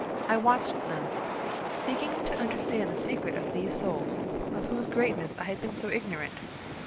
I watched them, seeking to understand the secret of these souls, of whose greatness I had been so ignorant!